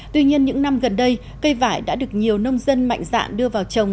tuy nhiên những năm gần đây cây vải đã được nhiều nông dân mạnh dạn đưa vào trồng